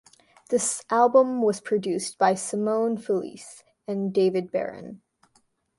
The album was produced by Simone Felice and David Baron.